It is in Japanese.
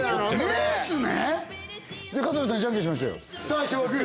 最初はグ！